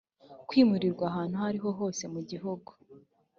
kwimurirwa ahantu aho ari ho hose mu gihugu